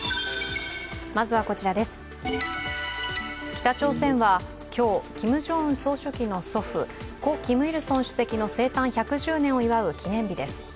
北朝鮮は今日、キム・ジョンウン総書記の祖父、故キム・イルソン主席の生誕１１０年を祝う記念日です。